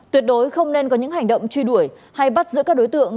tuyệt đối không nên có những hành động truy đuổi hay bắt giữ các đối tượng